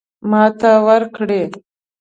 ماته ورکړي.